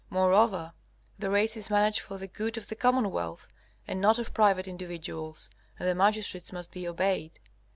Moreover, the race is managed for the good of the commonwealth, and not of private individuals, and the magistrates must be obeyed.